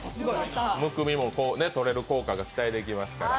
むくみもとれる効果が期待できるから。